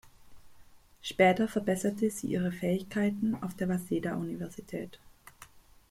Später verbesserte sie ihre Fähigkeiten auf der Waseda-Universität.